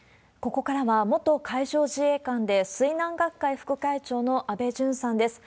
ここからは、元海上自衛官で水難学会副会長の安倍淳さんです。